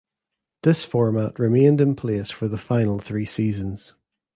This format remained in place for the final three seasons.